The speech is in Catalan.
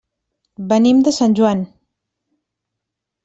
Venim de Sant Joan.